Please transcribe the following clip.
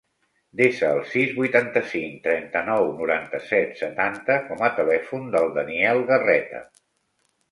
Desa el sis, vuitanta-cinc, trenta-nou, noranta-set, setanta com a telèfon del Daniel Garreta.